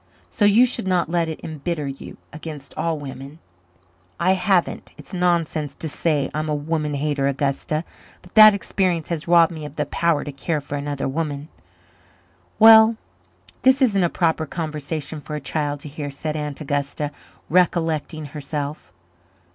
So you should not let it embitter you against all women." "I haven't. It's nonsense to say I'm a woman hater, Augusta. But that experience has robbed me of the power to care for another woman." "Well, this isn't a proper conversation for a child to hear," said Aunt Augusta, recollecting herself.